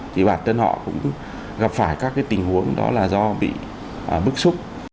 thì bản thân họ cũng gặp phải các tình huống đó là do bị bức xúc